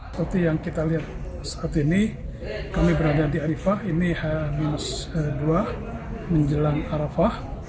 seperti yang kita lihat saat ini kami berada di arifah ini h dua menjelang arafah